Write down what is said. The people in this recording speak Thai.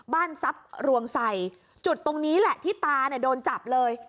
ทรัพย์รวงใส่จุดตรงนี้แหละที่ตาเนี่ยโดนจับเลย